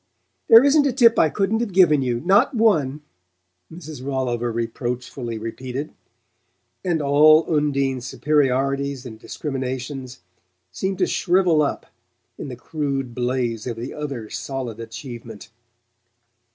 "There isn't a tip I couldn't have given you not one!" Mrs. Rolliver reproachfully repeated; and all Undine's superiorities and discriminations seemed to shrivel up in the crude blaze of the other's solid achievement.